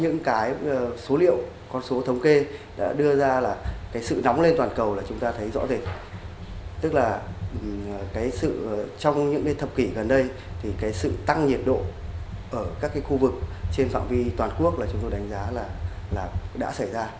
nóng lên toàn cầu là chúng ta thấy rõ rệt tức là trong những thập kỷ gần đây sự tăng nhiệt độ ở các khu vực trên phạm vi toàn quốc là chúng tôi đánh giá là đã xảy ra